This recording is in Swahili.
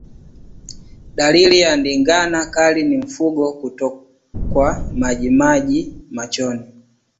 Dalili ya ndigana kali ni mfugo kutokwa majimaji machoni